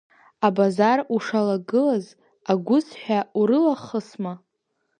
Абазар ушалагылаз агәыз ҳәа урылахысма?!